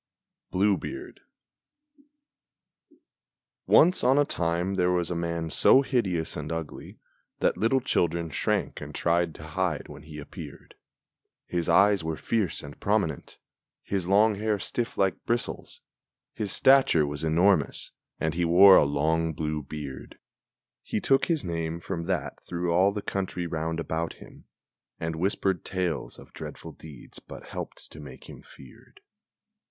BLUE BEARD Once on a time there was a man so hideous and ugly That little children shrank and tried to hide when he appeared; His eyes were fierce and prominent, his long hair stiff like bristles, His stature was enormous, and he wore a long blue beard He took his name from that through all the country round about him, And whispered tales of dreadful deeds but helped to make him feared.